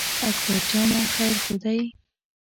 اکبر جانه خیر خو دی.